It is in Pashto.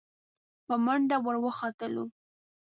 په منډه ور وختلو.